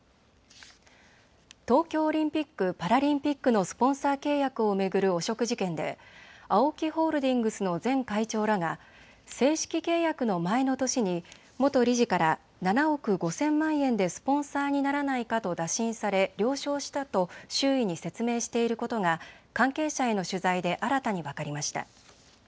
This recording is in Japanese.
東京オリンピック・パラリンピックのスポンサー契約を巡る汚職事件でＡＯＫＩホールディングスの前会長らが正式契約の前の年に元理事から７億５０００万円でスポンサーにならないかと打診され了承したと周囲に説明していることが関係者への取材で新たに分かりました。